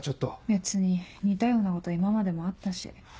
別に似たようなこと今までもあったし。